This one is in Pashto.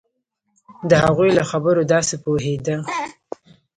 د هغوی له خبرو داسې پوهېده.